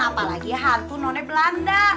apalagi hantu noni belanda